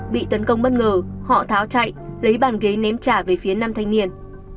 bị tấn công bất ngờ họ tháo chạy lấy bàn ghế nếm trả về phía nam thanh niên